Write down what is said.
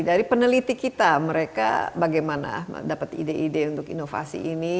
dari peneliti kita mereka bagaimana dapat ide ide untuk inovasi ini